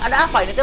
ada apa ini teh